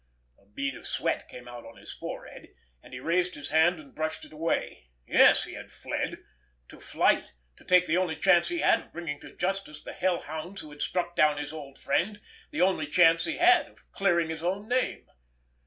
A bead of sweat came out on his forehead, and he raised his hand and brushed it away. Yes, he had fled—to fight—to take the only chance he had of bringing to justice the hell hounds who had struck down his old friend, the only chance he had of clearing his own name.